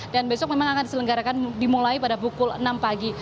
dan besok memang akan diselenggarakan dimulai pada pukul enam pagi